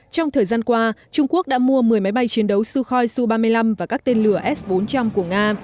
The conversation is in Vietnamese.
trong thời gian qua trung quốc đã mua một mươi máy bay chiến đấu sukhoi su ba mươi năm và các tên lửa s bốn trăm linh của nga